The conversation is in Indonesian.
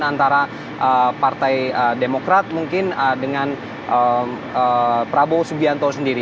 antara partai demokrat mungkin dengan prabowo subianto sendiri